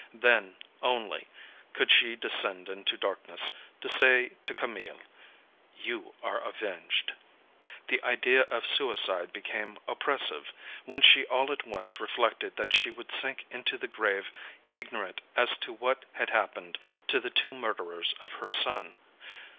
Then, only, could she descend into darkness, to say to Camille: "You are avenged." The idea of suicide became oppressive, when she all at once reflected that she would sink into the grave ignorant as to what had happened to the two murderers of her son.